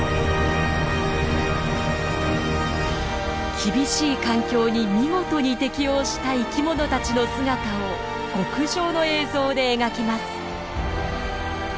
厳しい環境に見事に適応した生きものたちの姿を極上の映像で描きます。